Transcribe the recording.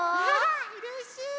うれしい！